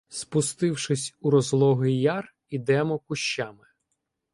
Спустившись у розлогий яр, ідемо кущами.